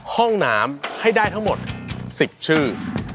ห้องน้ำให้ได้ทั้งหมด๑๐ชื่อ